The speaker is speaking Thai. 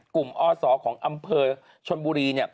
กลุ่มอศของอำเภอชนบุรี